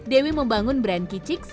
dewi membangun brand kicik